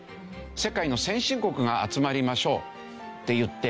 世界の先進国が集まりましょう！っていって。